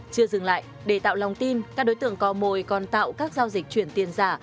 chưa dừng lại để tạo lòng tin các đối tượng có mồi còn tạo các giao dịch chuyển tiền giả